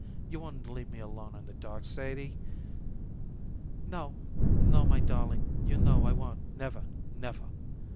You won't leave me alone in the dark, Sadie?" "No, no, my darling; you know I won't, never, never."